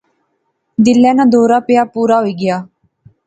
دلے ناں دورہ پیا، پورا ہوئی گیا